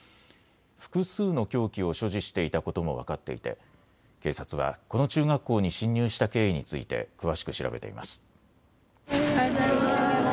複数の凶器を所持していたことも分かっていて警察はこの中学校に侵入した経緯について詳しく調べています。